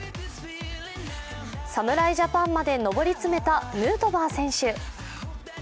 侍ジャパンまで上り詰めたヌートバー選手。